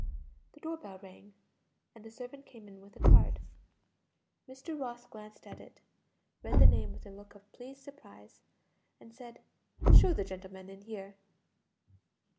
The door bell rang and the servant came in with a card. Mr. Ross glanced at it, read the name with a look of pleased surprise, and said, "Show the gentleman in here."